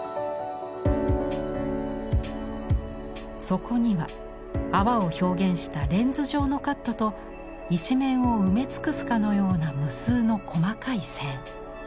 底には泡を表現したレンズ状のカットと一面を埋め尽くすかのような無数の細かい線。